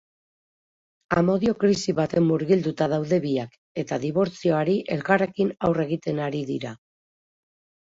Amodio krisi batean murgilduta daude biak eta dibortzioari elkarrekin aurre egiten ari dira.